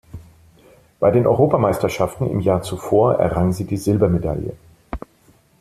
Bei den Europameisterschaften im Jahr zuvor errang sie die Silbermedaille.